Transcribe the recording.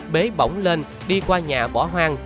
bế bỏng lên đi qua nhà bỏ hoang